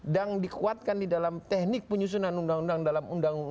dan dikuatkan di dalam teknik penyusunan undang undang dalam